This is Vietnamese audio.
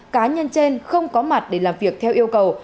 cá nhân trên không có mặt để làm việc theo yêu cầu